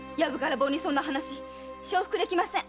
そんな話承服できません！